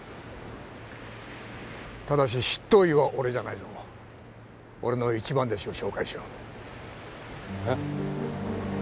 ただし執刀医は俺じゃないぞ俺の一番弟子を紹介しようえッ？